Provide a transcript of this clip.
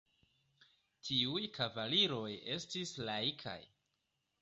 Tiuj kavaliroj estis laikaj.